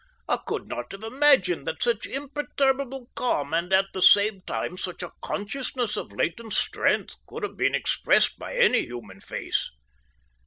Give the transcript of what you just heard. I could not have imagined that such imperturbable calm and at the same time such a consciousness of latent strength could have been expressed by any human face.